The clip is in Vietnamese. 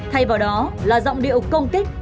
thay vào đó là giọng điệu công kích